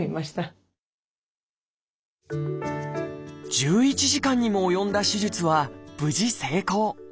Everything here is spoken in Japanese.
１１時間にも及んだ手術は無事成功。